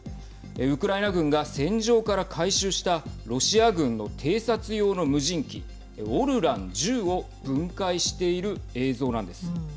ウクライナ軍が戦場から回収したロシア軍の偵察用の無人機オルラン１０を分解している映像なんです。